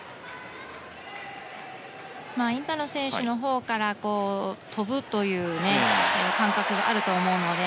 インタノン選手のほうから飛ぶという感覚があると思うので。